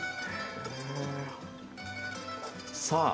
さあ！